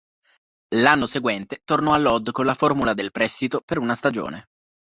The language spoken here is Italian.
L'anno seguente tornò all'Odd con la formula del prestito per una stagione.